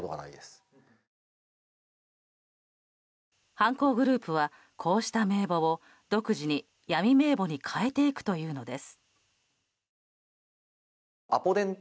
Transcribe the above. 犯行グループはこうした名簿を独自に闇名簿に変えていくというのです。